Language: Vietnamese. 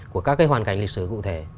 của các cái hoàn cảnh lịch sử cụ thể